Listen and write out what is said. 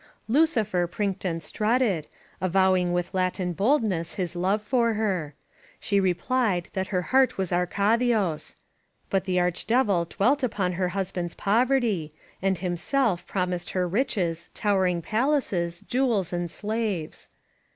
Lucifer prinked and strutted, avowing with Latin boldness his love for her. She replied that her heart was Arcadi6*g; but the Arch devil dwelt upon her hus band's poverty, and himself promised her riches, tow ering palaces, jewels and slaves.